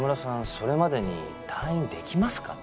それまでに退院できますかね？